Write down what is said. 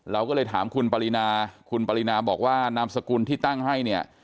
เราก็เลยถามคุณปรินาคุณปรินาบอกว่านามสกุลที่ตั้งให้เนี่ย